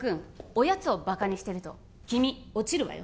おやつをバカにしてると君落ちるわよ